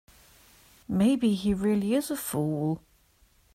Maybe he really is a fool.